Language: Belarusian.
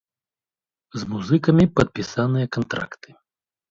З музыкамі падпісаныя кантракты.